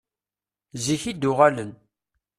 Zik i d-uɣalen.